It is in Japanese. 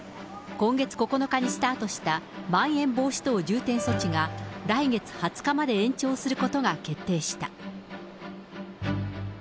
今月９日にスタートしたまん延防止等重点措置が来月２０日まで延長することが決定した。